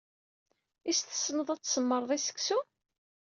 Is tessend ad tessmerd i seksu?